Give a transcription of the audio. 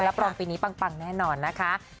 รับรองปีนี้ปังแน่นอนนะคะ